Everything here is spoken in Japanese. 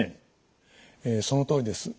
そのとおりです。